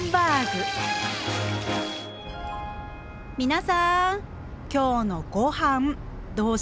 皆さん今日のごはんどうします？